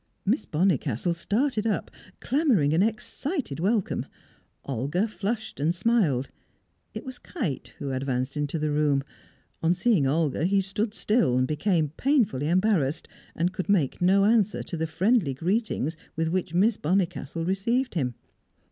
Miss Bonnicastle started up, clamouring an excited welcome. Olga flushed and smiled. It was Kite who advanced into the room; on seeing Olga he stood still, became painfully embarrassed, and could make no answer to the friendly greetings with which Miss Bonnicastle received him.